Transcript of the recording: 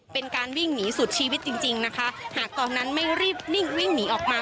เป็นการวิ่งหนีสุดชีวิตจริงจริงนะคะหากตอนนั้นไม่รีบวิ่งหนีออกมา